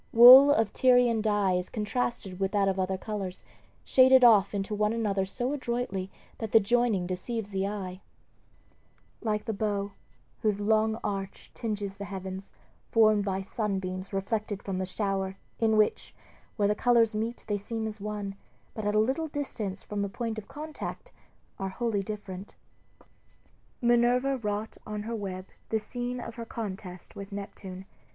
Wool of Tyrian dye is contrasted with that of other colors, shaded off into one another so adroitly that the joining deceives the eye. Like the bow, whose long arch tinges the heavens, formed by sunbeams reflected from the shower, [Footnote: This correct description of the rainbow is literally translated from Ovid.] in which, where the colors meet they seem as one, but at a little distance from the point of contact are wholly different. Minerva wrought on her web the scene of her contest with Neptune.